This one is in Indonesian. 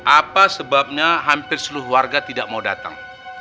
apa sebabnya hampir seluruh warga tidak mau datang